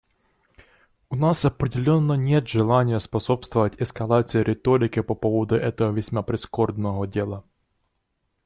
У нас определенно нет желания способствовать эскалации риторики по поводу этого весьма прискорбного дела.